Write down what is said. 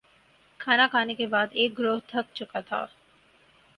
کھانا کھانے کے بعد ایک گروہ تھک چکا تھا